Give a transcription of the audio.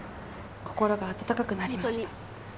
心が温かくなりました。